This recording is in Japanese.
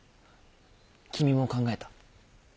君も考えた？